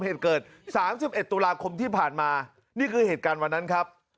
เหตุเกิด๓๑ตุลาคมที่ผ่านมานี่คือเหตุการณ์วันนั้นครับ